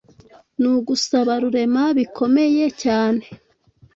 nugusaba rurema bikomeye cyane